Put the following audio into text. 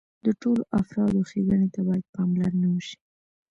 د ټولو افرادو ښېګڼې ته باید پاملرنه وشي.